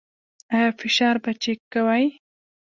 ایا فشار به چیک کوئ؟